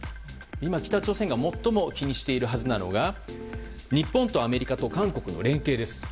今、北朝鮮が最も気にしているはずなのが日本とアメリカと韓国の連携です。